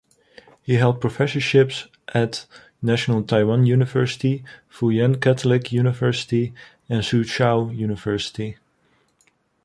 He held professorships at National Taiwan University, Fu Jen Catholic University, and Soochow University.